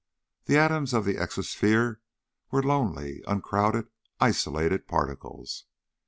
The atoms of the exosphere were lonely, uncrowded, isolated particles.